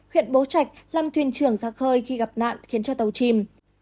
huyện bố trạch làm thuyền trưởng ra khơi khi gặp nạn khiến cho tàu chìm